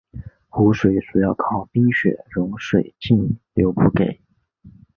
湖水主要靠冰雪融水径流补给。